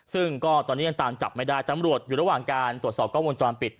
ซึ่งก็ตอนนี้ยังตามจับไม่ได้ตำรวจอยู่ระหว่างการตรวจสอบกล้องวงจรปิด